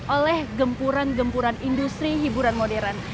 oleh gempuran gempuran industri hiburan modern